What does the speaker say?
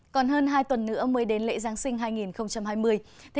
còn hơn hai tuần nữa mới đến lễ giáng sinh hai nghìn hai mươi